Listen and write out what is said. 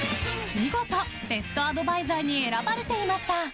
見事、ベストアドバイザーに選ばれていました。